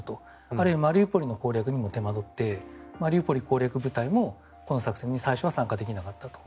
あるいはマリウポリの攻略にも手間取ってマリウポリ攻略部隊もこの作戦に最初は参加できなかったと。